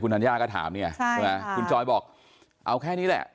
คุณธัญญาก็ถามเนี่ยคุณจอยบอกเอาแค่นี้แหละ